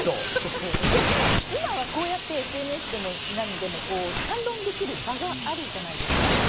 でも、今はこうやってＳＮＳでも何でも反論できる場があるじゃないですか。